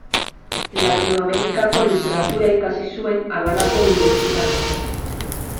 Latinoamerikako literatura ikasi zuen Habanako Unibertsitatean.